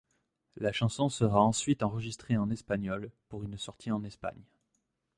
La chanson sera ensuite enregistrée en espagnol pour une sortie en Espagne.